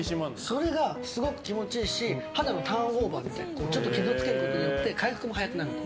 それがすごく気持ちいいし肌のターンオーバーみたいなちょっと傷つけることによって回復も早くなると。